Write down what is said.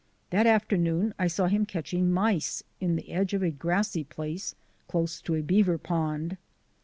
That afternoon I saw him catching mice in the edge of a grassy place close to a beaver pond.